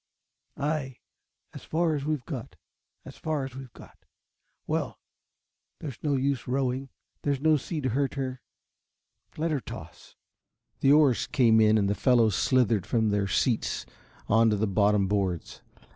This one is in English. "Ay, as far as we've got as far as we've got. Well, there's no use rowing, there's no sea to hurt her, let her toss." The oars came in and the fellows slithered from their seats on to the bottom boards.